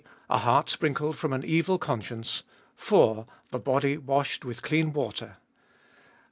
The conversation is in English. A Heart sprinkled from an Evil Conscience. 4. The Body washed with Clean Water. III.